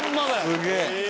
すげえ！